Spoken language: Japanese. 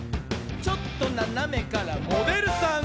「ちょっとななめからモデルさん」